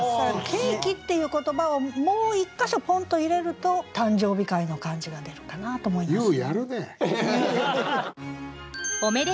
「ケーキ」っていう言葉をもう一か所ポンと入れると誕生日会の感じが出るかなと思います。